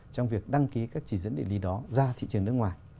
trong việc đăng ký các chỉ dẫn địa lý đó ra thị trường nước ngoài